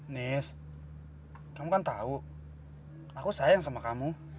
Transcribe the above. nis kamu kan tahu aku sayang sama kamu